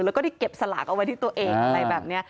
แล้วก็ได้เก็บสลากเอาไว้ที่ตัวเองอะไรแบบนี้